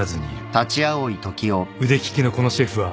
［腕利きのこのシェフは］